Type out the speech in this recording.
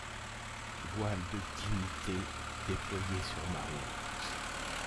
Voile de dignité déployé sur ma honte!